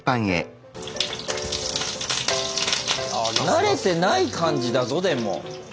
慣れてない感じだぞでも。